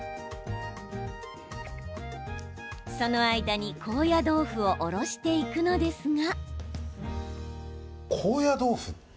その間に高野豆腐をおろしていくのですが。